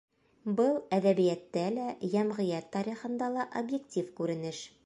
Был әҙәбиәттә лә, йәмғиәт тарихында ла объектив күренеш.